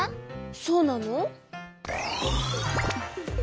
そうなの？